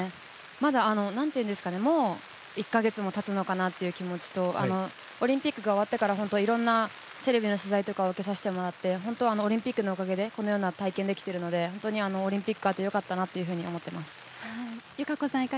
まだ、もう１か月も経つのかなっていう気持ちとオリンピックが終わってから、いろんなテレビの取材とか受けさせてもらって、ほんとオリンピックのおかげでこのような体験ができてるので、ほんとにオリンピックがあってよかったなと思っています。